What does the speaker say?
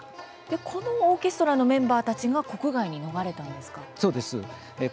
このオーケストラのメンバーたちが国外に逃れたんですか？